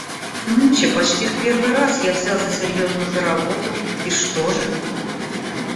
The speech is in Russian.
Нынче почти в первый раз я взялся серьезно за работу, и что же?